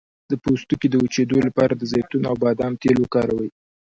د پوستکي د وچیدو لپاره د زیتون او بادام تېل وکاروئ